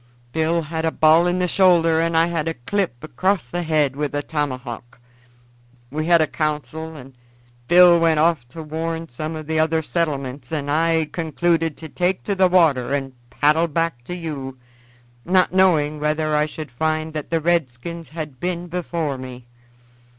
Bill had a ball in the shoulder, and I had a clip across the head with a tomahawk. We had a council, and Bill went off to warn some of the other settlements and I concluded to take to the water and paddle back to you, not knowing whether I should find that the redskins had been before me.